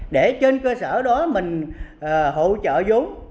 để trên cơ sở đó mình hỗ trợ giống